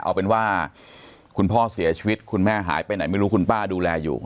เอาเป็นว่าคุณพ่อเสียชีวิตคุณแม่หายไปไหนไม่รู้คุณป้าดูแลอยู่